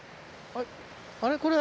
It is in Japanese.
あれあれ？